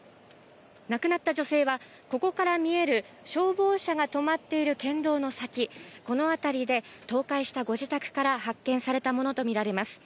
亡くなった女性はここから見える消防車がとまっている県道の先、このあたりで倒壊したご自宅から発見されたものとみられます。